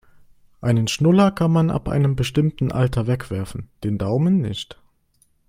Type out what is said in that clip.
Einen Schnuller kann man ab einem bestimmten Alter wegwerfen, den Daumen nicht.